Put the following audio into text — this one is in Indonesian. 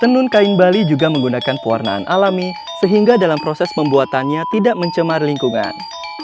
tenun kain bali juga menggunakan pewarnaan alami sehingga dalam proses pembuatannya tidak mencemar lingkungan